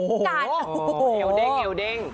โอ้โหเอลเด้ง